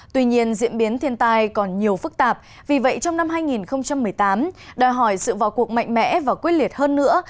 tuy nhiên diễn biến thiên tai còn nhiều phức tạp vì vậy trong năm hai nghìn một mươi tám đòi hỏi sự vào cuộc mạnh mẽ và quyết liệt hơn nữa